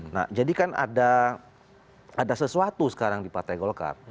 nah jadi kan ada sesuatu sekarang di partai golkar